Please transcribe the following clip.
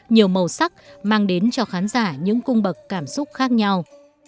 nhiều màu sắc mang đến cho khán giả những cung bậc cảm xúc khác nhau